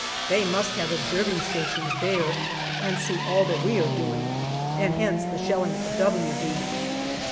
They must have observing stations there, and see all that we are doing, and hence the shelling of " W " Beach.